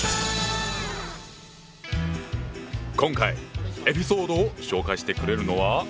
今回エピソードを紹介してくれるのは。